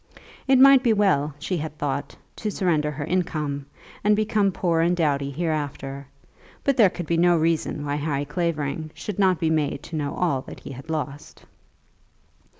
It might be well, she had thought, to surrender her income, and become poor and dowdy hereafter, but there could be no reason why Harry Clavering should not be made to know all that he had lost.